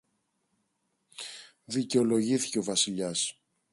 δικαιολογήθηκε ο Βασιλιάς